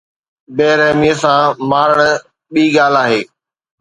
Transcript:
بي رحميءَ سان مارڻ ٻي ڳالهه آهي.